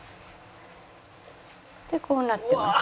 こうなってます。